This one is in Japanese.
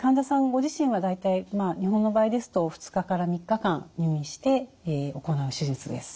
ご自身は大体日本の場合ですと２日から３日間入院して行う手術です。